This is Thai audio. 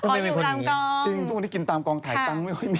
อ๋ออยู่กลางกองจริงทุกวันนี้กินตามกองไทยตังค์ไม่ค่อยมี